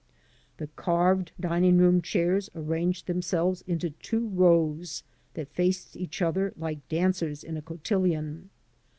The carved dining room chairs arranged them selves into two rows that faced each other like dancers in a cotillion.